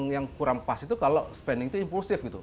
yang kurang pas itu kalau spending itu impulsif gitu